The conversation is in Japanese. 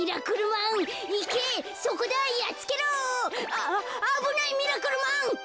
あぶないミラクルマン。